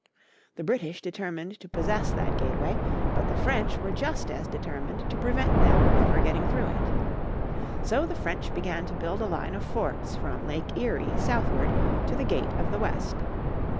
The British determined to possess that gateway, but the French were just as determined to prevent them ever getting through it. So the French began to build a line of forts from Lake Erie southward to the gate of the west.